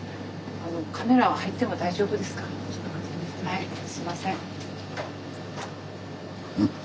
はいすいません。